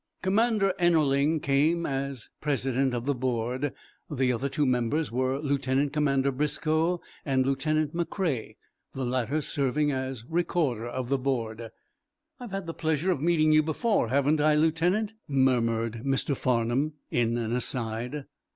Commander Ennerling came as president of the board; the other two members were Lieutenant Commander Briscoe and Lieutenant McCrea, the latter serving as recorder of the board. "I've had the pleasure of meeting you before, haven't I, Lieutenant?" murmured Mr. Farnum, in an aside.